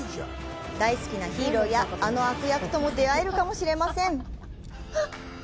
大好きなヒーローや、あの悪役とも出会えるかもしれません。